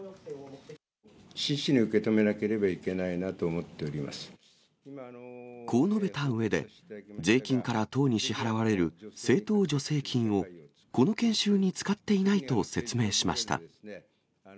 真摯に受け止めなければいけこう述べたうえで、税金から党に支払われる政党助成金を、この研修に使っていないと説明しました。